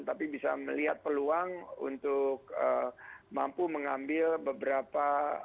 tapi bisa melihat peluang untuk mampu mengambil beberapa